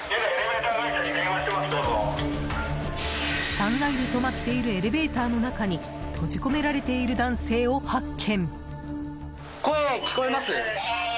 ３階で止まっているエレベーターの中に閉じ込められている男性を発見。